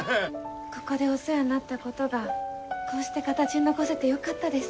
ここでお世話になったことがこうして形に残せてよかったです。